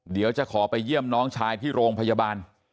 เดี๋ยวจะขอไปเยี่ยมน้องชายที่โรงพยาบาล